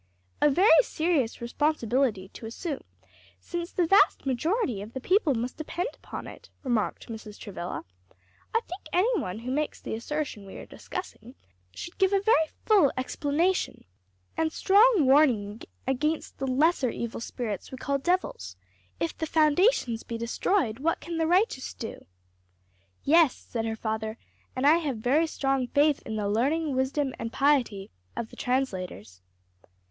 "A very serious responsibility to assume, since the vast majority of the people must depend upon it," remarked Mrs. Travilla. "I think any one who makes the assertion we are discussing should give a very full explanation and strong warning against the lesser evil spirits we call devils. 'If the foundations be destroyed, what can the righteous do?'" "Yes," said her father, "and I have very strong faith in the learning, wisdom and piety of the translators."